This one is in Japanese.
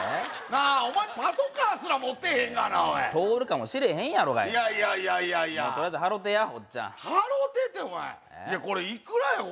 なあお前パトカーすら持ってへんがなおい通るかもしれへんやろがいないやいやいやいやいやとりあえず払てやおっちゃん払うてってお前いやいくらや？